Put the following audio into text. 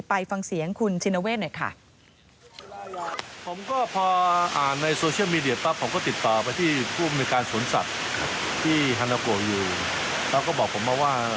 ไปฟังเสียงคุณชินเวทหน่อยค่ะ